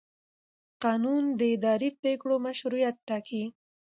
قانون د اداري پرېکړو مشروعیت ټاکي.